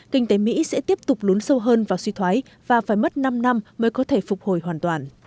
kinh tế mỹ sẽ tiếp tục lún sâu hơn vào suy thoái và phải mất năm năm mới có thể phục hồi hoàn toàn